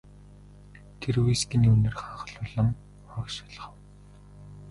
Тэр вискиний үнэр ханхлуулан урагш алхав.